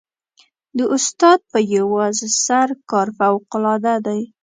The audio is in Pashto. د استاد په یوازې سر کار فوقالعاده دی.